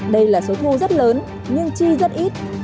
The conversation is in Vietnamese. đây là số thu rất lớn nhưng chi rất ít